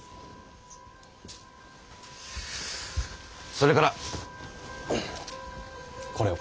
それからこれを。